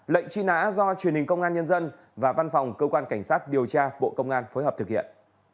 lệnh truy nã do truyền hình công an nhân dân và văn phòng cơ quan cảnh sát điều tra bộ công an phối hợp thực hiện